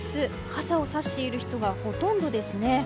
傘をさしている人がほとんどですね。